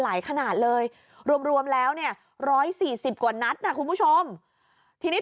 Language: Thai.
ขนาดเลยรวมรวมแล้วเนี่ย๑๔๐กว่านัดนะคุณผู้ชมทีนี้